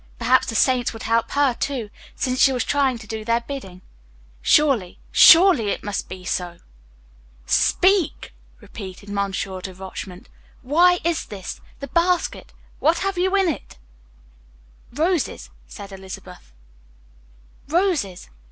Perhaps the Saints would help her, too, since she was trying to do their bidding. Surely, surely it must be so! "Speak!" repeated Monsieur de Rochemont. "Why is this? The basket what have you in it?" "Roses," said Elizabeth, "Roses."